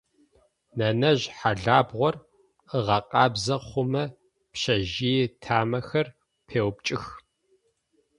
Нэнэжъ хьалабгъор ыгъэкъабзэ хъумэ пцэжъые тамэхэр пеупкӏых.